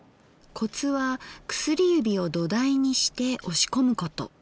コツは薬指を土台にして押し込むこと。